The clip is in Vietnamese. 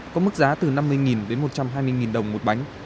có mức giá từ năm mươi đến một trăm hai mươi đồng một bánh